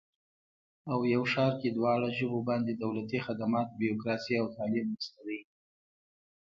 او یو ښار کې دواړه ژبو باندې دولتي خدمات، بیروکراسي او تعلیم نشته دی